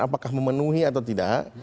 apakah memenuhi atau tidak